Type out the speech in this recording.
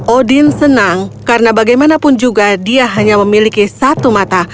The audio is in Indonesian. odin senang karena bagaimanapun juga dia hanya memiliki satu mata